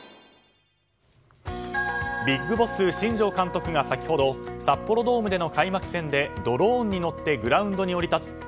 ＢＩＧＢＯＳＳ新庄監督が先ほど札幌ドームでの開幕戦でドローンに乗ってグラウンドに降り立つ